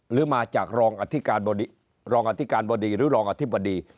หรือมาจากรองอธิการรองอธิการบดีหรือรองอธิบดี